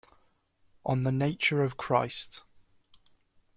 On the Nature of Christ.